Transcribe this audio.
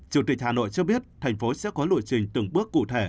chủ tịch hà nội cho biết thành phố sẽ có lộ trình từng bước cụ thể